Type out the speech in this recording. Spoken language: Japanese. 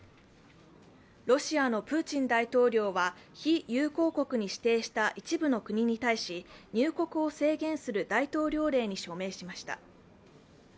ロシアのプーチン大統領は非友好国に指定した一部の国に対し、入国を制限する大統領令に署名しました。